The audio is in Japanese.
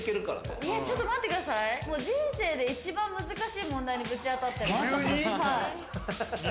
人生で一番難しい問題にぶち当たってます。